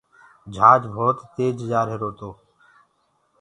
جھآج ڀوت تيج جآ رهيرو تو۔